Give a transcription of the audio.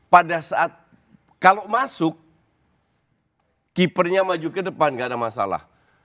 pada saat kalau masuk keepernya maju ke depan nggak ada masalah